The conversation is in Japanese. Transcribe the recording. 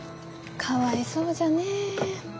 かわいそうじゃねえ。